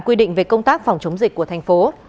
quy định về công tác phòng chống dịch của thành phố